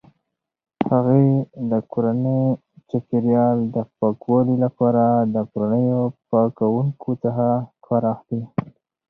هغې د کورني چاپیریال د پاکوالي لپاره د کورنیو پاکونکو څخه کار اخلي.